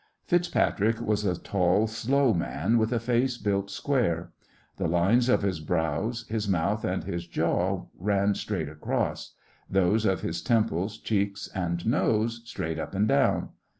FitzPatrick was a tall, slow man, with a face built square. The lines of his brows, his mouth, and his jaw ran straight across; those of his temples, cheeks, and nose straight up and down.